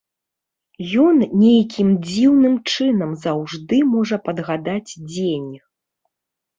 Ён нейкім дзіўным чынам заўжды можа падгадаць дзень.